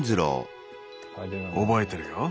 覚えてるよ。